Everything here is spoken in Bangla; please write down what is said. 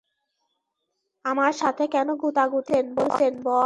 আমার সাথে কেন গুতাগুতি করছেন, বস?